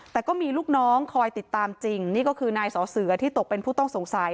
แต่ก็มีลูกน้องคอยติดตามจริงนี่ก็คือนายสอเสือที่ตกเป็นผู้ต้องสงสัย